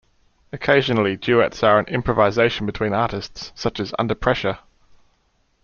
Occasionally duets are an improvisation between artists, such as "Under Pressure".